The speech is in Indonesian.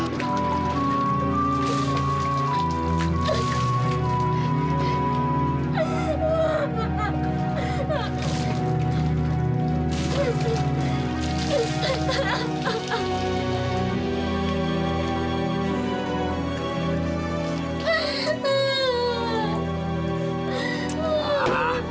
sekarang awal dari kekayaan